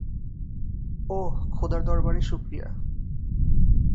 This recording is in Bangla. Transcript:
ওহ, খোদার দরবারে শুকরিয়া।